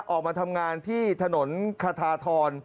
ออกมาทำงานที่ถนนคทาธร